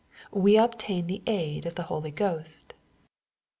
We obtain the aid of the Holy Ghost.